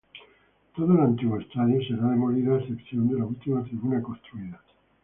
Todo el antiguo estadio será demolido a excepción de la última tribuna construida.